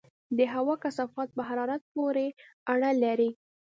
د هوا کثافت په حرارت پورې اړه لري.